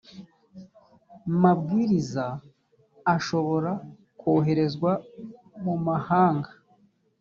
mabwiriza ashobora koherezwa mu mahanga